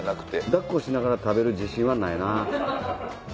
抱っこしながら食べる自信はないな。